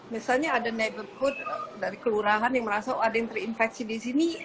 misalnya ada niberhood dari kelurahan yang merasa oh ada yang terinfeksi di sini